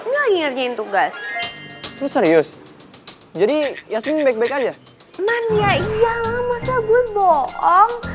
ini lagi ngerjain tugas lu serius jadi yasmin baik baik aja man ya iyalah masa gue bohong